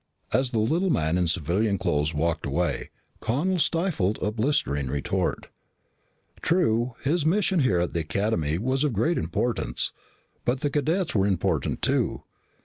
As the little man in civilian clothes walked away, Connel stifled a blistering retort. True, his mission here at the Academy was of great importance. But cadets were important too.